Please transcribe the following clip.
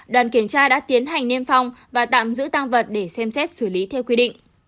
đoàn kiểm tra đã tiến hành niêm phong và tạm giữ tăng vật để xem xét xử lý theo quy định